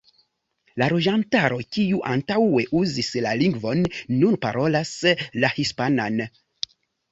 La loĝantaro, kiu antaŭe uzis la lingvon, nun parolas la hispanan.